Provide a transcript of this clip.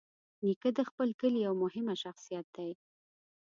نیکه د خپل کلي یوه مهمه شخصیت دی.